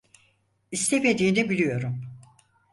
İstemediğini biliyorum.